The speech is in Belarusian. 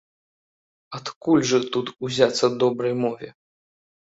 Адкуль жа тут узяцца добрай мове?